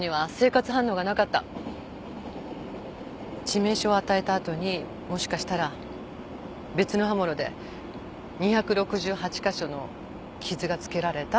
致命傷を与えた後にもしかしたら別の刃物で２６８か所の傷がつけられたってこと。